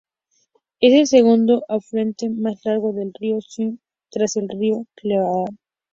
Es el segundo afluente más largo del río Snake, tras el río Clearwater.